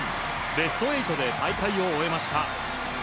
ベスト８で大会を終えました。